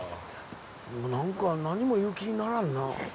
何か何にも言う気にならんな。